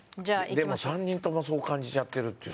でも３人ともそう感じちゃってるっていう。